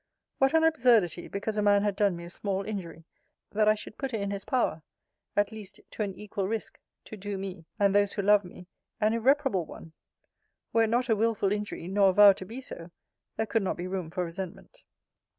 What an absurdity, because a man had done me a small injury, that I should put it in his power (at least, to an equal risque) to do me, and those who love me, an irreparable one! Were it not a wilful injury, nor avowed to be so, there could not be room for resentment.